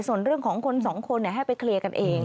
ส่วนเรื่องของคนสองคนให้ไปเคลียร์กันเอง